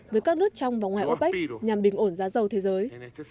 với các nước trong và ngoài opec nhằm bình ổn giá dầu thế giới